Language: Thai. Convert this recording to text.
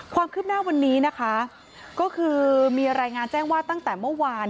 ความคืบหน้าวันนี้นะคะก็คือมีรายงานแจ้งว่าตั้งแต่เมื่อวาน